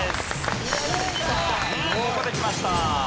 ここできました。